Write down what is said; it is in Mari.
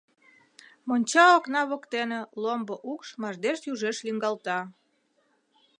Монча окна воктене ломбо укш мардеж южеш лӱҥгалта.